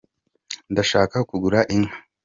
ndashaka kugura inka